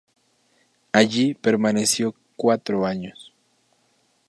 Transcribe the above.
Allí permaneció cuatro años.